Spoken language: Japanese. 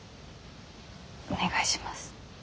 お願いします。